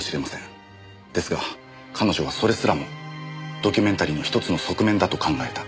ですが彼女はそれすらもドキュメンタリーの１つの側面だと考えた。